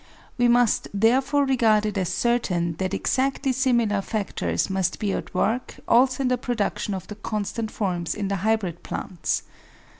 We must therefore regard it as certain that exactly similar factors must be at work also in the production of the constant forms in the hybrid plants.